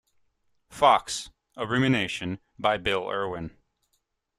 Fox: A Rumination' by Bill Irwin.